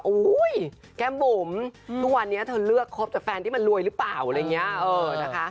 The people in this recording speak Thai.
อุ้ยแก้มบุ๋มทุกวันนี้เธอเลือกครบแต่แฟนที่มันรวยหรือเปล่าอะไรอย่างนี้นะคะ